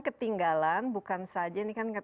ketinggalan bukan saja ini kan